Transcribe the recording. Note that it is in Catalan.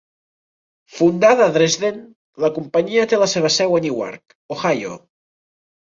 Fundada a Dresden, la companyia té la seva seu a Newark, Ohio.